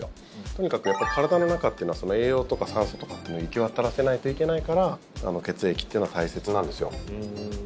とにかく体の中というのは栄養とか酸素とかっていうのを行き渡らせないといけないから血液っていうのは大切なんですよ。